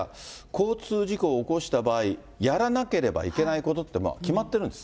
交通事故を起こした場合、やらなければいけないことって決まってるんです。